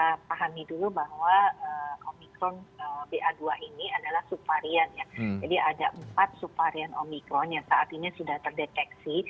kita pahami dulu bahwa omikron ba dua ini adalah subvarian ya jadi ada empat subvarian omikron yang saat ini sudah terdeteksi